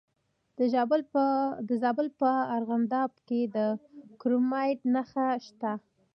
د زابل په ارغنداب کې د کرومایټ نښې شته.